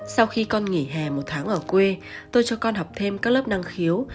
sau khi con nghỉ hè một tháng ở quê tôi cho con học thêm các lớp năng khiếu